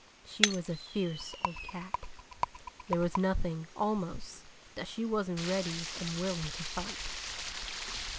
She was a fierce old cat. There was nothing, almost, that she wasn't ready and willing to fight.